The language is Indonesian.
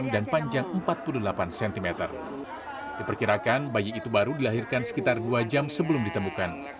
dan panjang empat puluh delapan cm diperkirakan bayi itu baru dilahirkan sekitar dua jam sebelum ditemukan